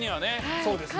そうですね。